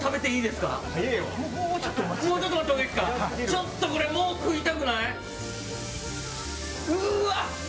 ちょっともうこれ食いたくない？